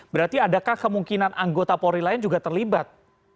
berarti adakah kemungkinan anggota polri lain juga terlibat